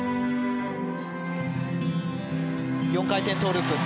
４回転トウループ。